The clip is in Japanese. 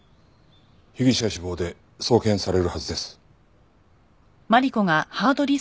被疑者死亡で送検されるはずです。